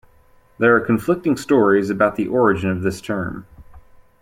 There are conflicting stories about the origin of this term.